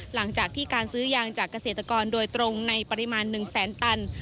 หลังจากที่การซื้อยางจากเกษตรกรโดยตรงในปริมาณ๑แสนตัน